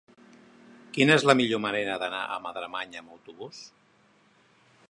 Quina és la millor manera d'anar a Madremanya amb autobús?